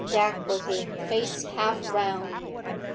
Dagworthy faced half round.